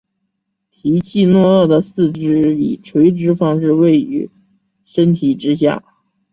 提契诺鳄的四肢以垂直方式位于身体之下。